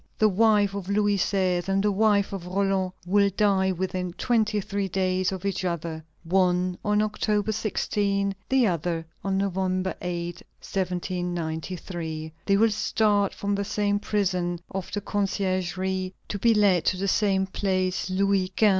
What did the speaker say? The wife of Louis XVI. and the wife of Roland will die within twenty three days of each other: one on October 16, the other on November 8, 1793. They will start from the same prison of the Conciergerie, to be led to the same Place Louis XV.